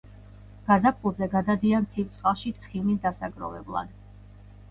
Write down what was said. გაზაფხულზე გადადიან ცივ წყალში ცხიმის დასაგროვებლად.